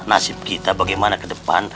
nasib kita bagaimana ke depan